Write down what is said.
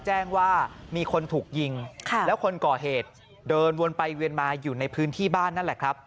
แจ้งว่ามีคนถูกยิงแล้วคนก่อเหตุเดินวนไปเวียนมาอยู่ในพื้นที่บ้านนั่นแหละครับ